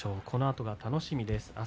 このあとが楽しみです。